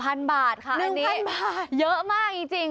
ให้ครบ๑๐๐๐บาทค่ะอันนี้เยอะมากจริง